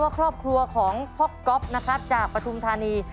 ว่าครอบครัวของพ่อก๊อบจากปฐุมธานี